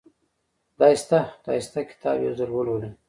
خدای شته خدای شته کتاب یو ځل ولولئ